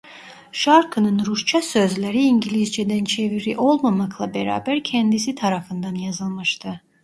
Şarkının Rusça sözleri İngilizceden çeviri olmamakla beraber kendisi tarafından yazılmıştı.